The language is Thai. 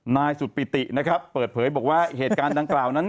นายสุดปิตินะครับเปิดเผยบอกว่าเหตุการณ์ดังกล่าวนั้น